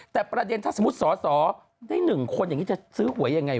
ไม่เพราะผมไม่เล่นการพนัน